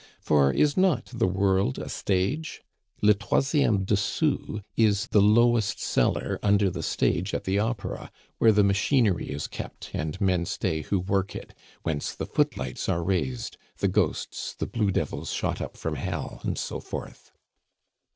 For is not the world a stage? Le troisieme dessous is the lowest cellar under the stage at the Opera where the machinery is kept and men stay who work it, whence the footlights are raised, the ghosts, the blue devils shot up from hell, and so forth.